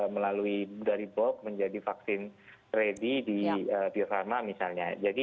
melalui dari bulk menjadi vaksin ready di piyosama misalnya